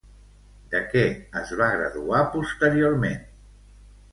De què es va graduar posteriorment?